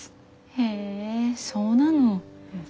へえそうなの。